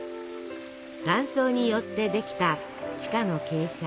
断層によってできた地下の傾斜。